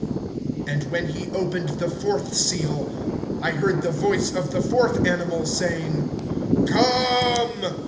(7)And when he opened the fourth seal, I heard the voice of the fourth animal saying: Come!